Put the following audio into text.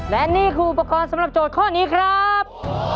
และนี่คืออุปกรณ์สำหรับโจทย์ข้อนี้ครับ